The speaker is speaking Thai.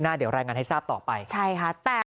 เดี๋ยวรายงานให้ทราบต่อไปใช่ค่ะ